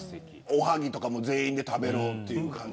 おはぎとかも全員で食べろという感じで。